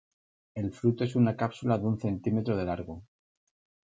El fruto es una cápsula de un centímetro de largo.